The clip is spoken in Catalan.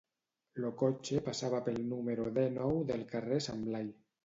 Lo cotxe passava pel número dènou del carrer Sant Blai.